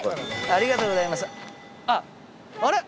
ありがとうございます。